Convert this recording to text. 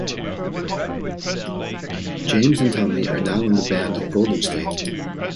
James and Tommy are now in the band Golden State.